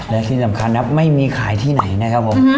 และที่สำคัญครับไม่มีขายที่ไหนนะครับผม